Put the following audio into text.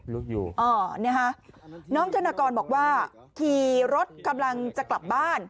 อยู่อ๋อนะฮะน้องธนากรบอกว่าขี่รถกำลังจะกลับบ้าน